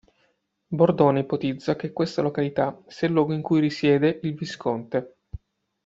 Bordone ipotizza che questa località sia il luogo in cui risiede il visconte.